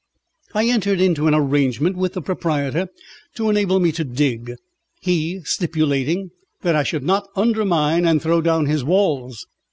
I entered into an arrangement with the proprietor to enable me to dig, he stipulating that I should not undermine and throw down his walls.